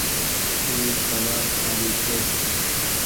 اي دوآ کآري ڇي۔